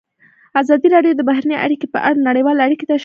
ازادي راډیو د بهرنۍ اړیکې په اړه نړیوالې اړیکې تشریح کړي.